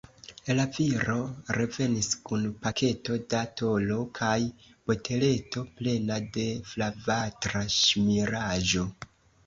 La viro revenis kun paketo da tolo kaj boteleto plena de flavatra ŝmiraĵo.